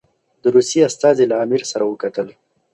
د روسیې استازي له امیر سره وکتل.